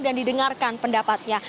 dan didengarkan pendapatnya